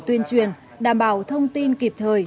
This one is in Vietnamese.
tuyên truyền đảm bảo thông tin kịp thời